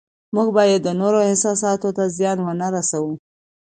موږ باید د نورو احساساتو ته زیان ونه رسوو